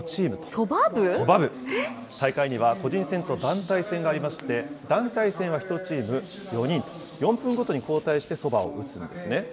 大会には個人戦と団体戦がありまして、団体戦は１チーム４人、４分ごとに交代して、そばを打つんですね。